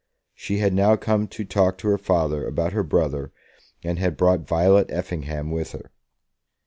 She had now come to talk to her father about her brother, and had brought Violet Effingham with her.